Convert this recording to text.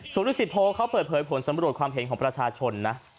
นุสิตโพเขาเปิดเผยผลสำรวจความเห็นของประชาชนนะ